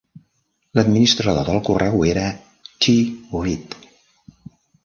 L'administrador del correu era T. Read.